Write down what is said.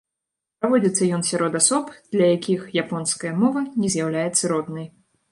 Праводзіцца ён сярод асоб, для якіх японская мова не з'яўляецца роднай.